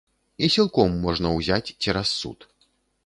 І сілком можна ўзяць, цераз суд.